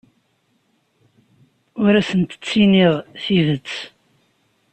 Ur asent-ttiniɣ tidet.